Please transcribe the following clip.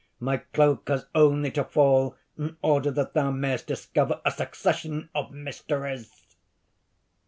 My cloak has only to fall in order that thou mayest discover a succession of mysteries."